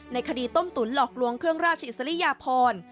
คดีต้มตุ๋นหลอกลวงเครื่องราชอิสริยพร